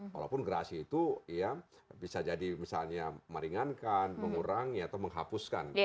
walaupun gerasi itu ya bisa jadi misalnya meringankan mengurangi atau menghapuskan